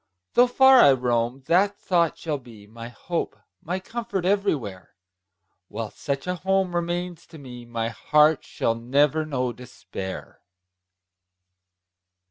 Though far I roam, that thought shall be My hope, my comfort, everywhere; While such a home remains to me, My heart shall never know despair!